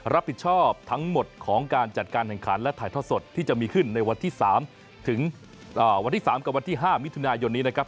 รับผิดชอบทั้งหมดของการจัดการแข่งขันและถ่ายทอดสดที่จะมีขึ้นในวันที่๓ถึงวันที่๓กับวันที่๕มิถุนายนนี้นะครับ